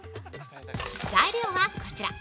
材料はこちら。